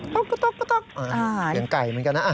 เสียงไก่เหมือนกันนะ